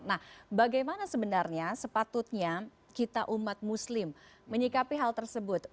nah bagaimana sebenarnya sepatutnya kita umat muslim menyikapi hal tersebut